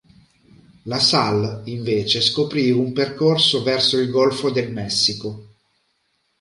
La Salle invece scoprì un percorso verso il golfo del Messico.